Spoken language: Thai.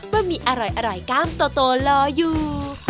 บะหมี่อร่อยอร่อยกล้ามโตโตรอรออยู่